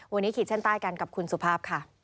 วันนี้ขีดเส้นใต้กันกับคุณสุภาพค่ะ